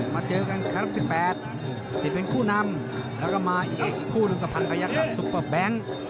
เจอกันครั้งที่๘นี่เป็นคู่นำแล้วก็มาอีกคู่หนึ่งกับพันพยักษ์ซุปเปอร์แบงค์